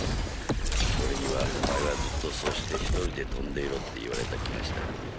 フッ俺には「お前はずっとそうして１人で飛んでいろ」って言われた気がしたがね。